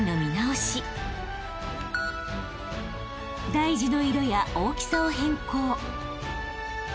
［題字の色や大きさを変更］